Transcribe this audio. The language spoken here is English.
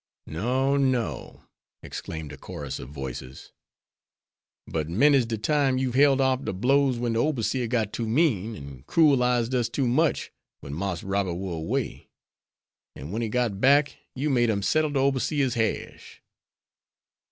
"No, no," exclaimed a chorus of voices, "but many's de time you've held off de blows wen de oberseer got too mean, an' cruelized us too much, wen Marse Robert war away. An' wen he got back, you made him settle de oberseer's hash."